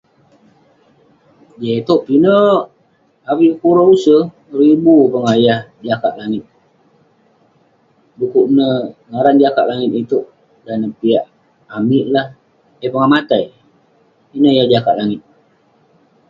Dai itouk pinek, avik kure use. Ribu pongah yah jakak langit. Dekuk neh ngaran jakak langit itouk dan neh piak amik lah, yah pongah matai. Ineh yah jakak langit.